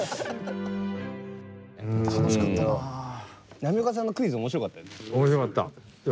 波岡さんのクイズ面白かったよね。